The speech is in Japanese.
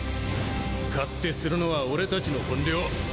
勝手するのは俺達の本領。